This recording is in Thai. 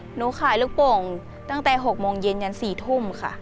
หนูขายลูกโป่งตั้งแต่๖โมงเย็นยัน๔ทุ่มค่ะ